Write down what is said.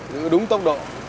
giữ đúng tốc độ